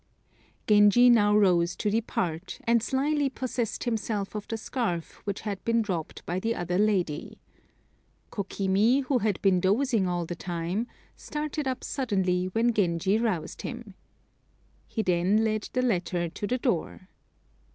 Genji now rose to depart, and slyly possessed himself of the scarf which had been dropped by the other lady. Kokimi, who had been dozing all the time, started up suddenly when Genji roused him. He then led the latter to the door.